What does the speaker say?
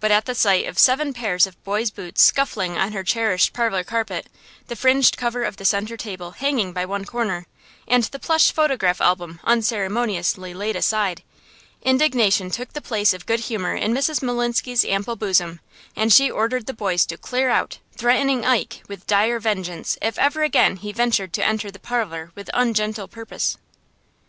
But at the sight of seven pairs of boys' boots scuffling on her cherished parlor carpet, the fringed cover of the centre table hanging by one corner, and the plush photograph album unceremoniously laid aside, indignation took the place of good humor in Mrs. Maslinsky's ample bosom, and she ordered the boys to clear out, threatening "Ike" with dire vengeance if ever again he ventured to enter the parlor with ungentle purpose.